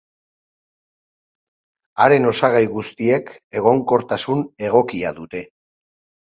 Haren osagai guztiek egonkortasun egokia dute.